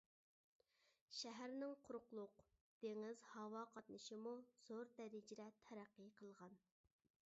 شەھەرنىڭ قۇرۇقلۇق، دېڭىز، ھاۋا قاتنىشىمۇ زور دەرىجىدە تەرەققىي قىلغان.